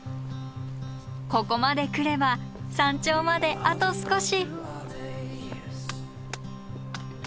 ここまで来れば山頂まであと少し！